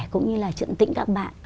cũng như là trận tĩnh các bạn